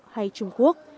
hay trung quốc